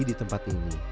di tempat ini